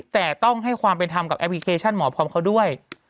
แต่ต้องให้ความเป็นธรรมกับแอปพลิเคชันหมอพร้อมเขาด้วย